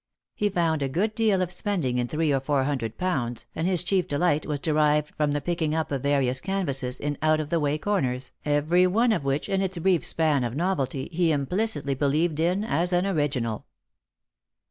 He found a good deal of spending in three or four hundred pounds, and his chief delight was derived from the picking up of various canvases in out of the way corners, every one of which, in its brief span of novelty, he implicitly believed in as an original.